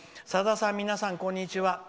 「さださん皆さんこんにちは。